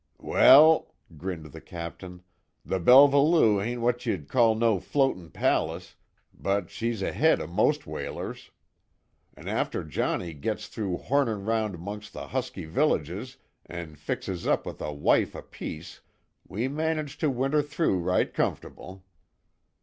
"Well," grinned the captain, "The Belva Lou hain't what ye'd call no floatin' palace, but she's ahead o' most whalers. An' after Johnnie gits through hornin' round 'mongst the Husky villages an' fixes us up with a wife apiece, we manage to winter through right comfortable.